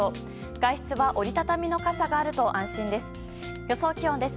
外出は折り畳みの傘があると安心です。